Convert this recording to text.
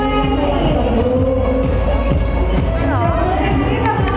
หนูสวัสดีท่านลำวัดยูก่อน